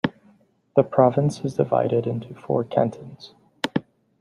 The province is divided into four cantons.